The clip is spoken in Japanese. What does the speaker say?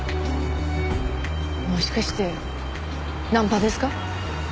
もしかしてナンパですか？